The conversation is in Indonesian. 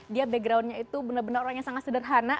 dia backgroundnya itu benar benar orang yang sangat sederhana